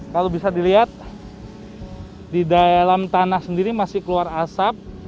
kalau bisa dilihat di dalam tanah sendiri masih keluar asap